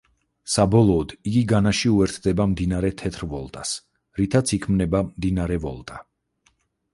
საბოლოოდ იგი განაში უერთდება მდინარე თეთრ ვოლტას, რითაც იქმნება მდინარე ვოლტა.